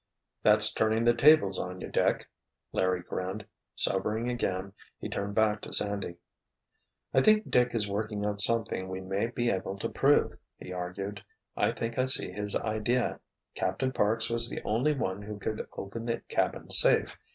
"That's turning the tables on you, Dick," Larry grinned. Sobering again he turned back to Sandy. "I think Dick is working out something we may be able to prove," he argued. "I think I see his idea. Captain Parks was the only one who could open the cabin safe.